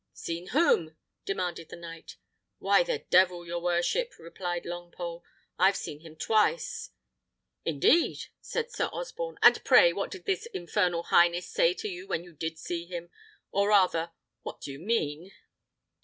"Seen whom?" demanded the knight. "Why, the devil, your worship," replied Longpole. "I've seen him twice." "Indeed!" said Sir Osborne; "and pray what did his infernal highness say to you when you did see him? Or rather, what do you mean?"